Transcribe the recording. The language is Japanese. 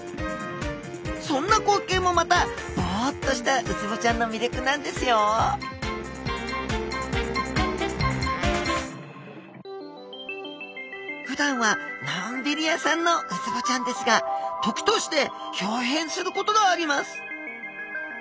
そんな光景もまたボッとしたウツボちゃんの魅力なんですよふだんはのんびり屋さんのウツボちゃんですが時としてひょう変することがあります